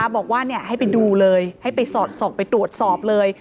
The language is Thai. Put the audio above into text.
บอกว่าให้ไปดูเลยให้ไปสอดส่องไปตรวจสอบเลย